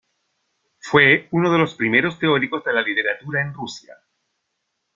Fue uno de los primeros teóricos de la literatura en Rusia.